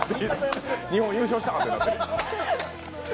日本優勝したみたいになってる。